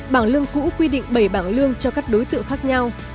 bảng lương cũ quy định bảy bảng lương cho các đối tượng khác nhau